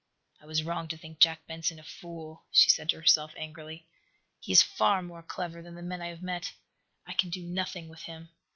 "I was wrong to think Jack Benson a fool," she said to herself, angrily. "He is far more clever than the men I have met. I can do nothing with him.